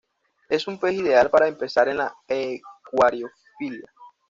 Es un pez ideal para empezar en la acuariofilia.